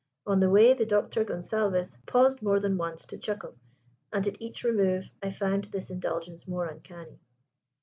On the way the Doctor Gonsalvez paused more than once to chuckle, and at each remove I found this indulgence more uncanny.